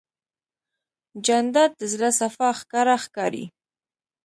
جانداد د زړه صفا ښکاره ښکاري.